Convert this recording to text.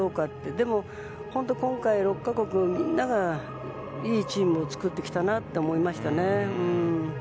でも今回６か国みんながいいチームを作ってきたなと思いました。